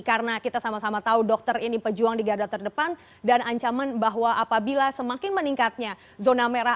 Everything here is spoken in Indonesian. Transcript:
karena kita sama sama tahu dokter ini pejuang di garda terdepan dan ancaman bahwa apabila semakin meningkatnya zona merah